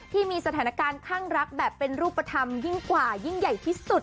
ที่มีสถานการณ์ข้างรักแบบเป็นรูปธรรมยิ่งกว่ายิ่งใหญ่ที่สุด